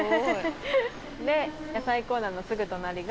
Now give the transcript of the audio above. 野菜コーナーのすぐ隣が。